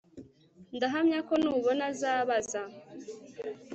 ndahamya ko nubona, azabaza